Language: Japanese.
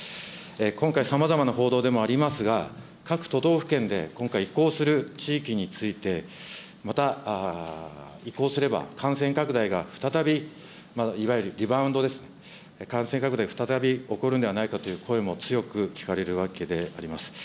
今回、さまざまな報道でもありますが、各都道府県で今回、移行する地域について、また移行すれば、感染拡大が再び、いわゆるリバウンドです、感染拡大再び起こるんではないかという声も強く聞かれるわけであります。